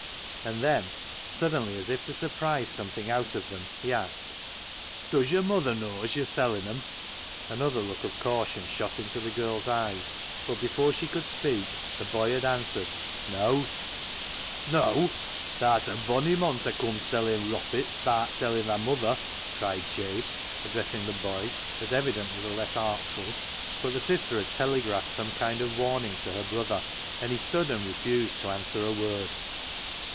And then, suddenly, as if to surprise some thing out of them, he asked —" Does yur muther knaw as yur sellin' 'em ?" Another look of caution shot into the girl's eyes, but before she could speak the boy had answered, " Neaw." " Neaw ! Tha'rt a bonny mon ta cum sellin' roppits ba'at tellin' thy muther," cried Jabe, addressing the boy as evidently the less artful. But the sister had telegraphed some kind of warning to her brother, and he stood and refused to answer a word.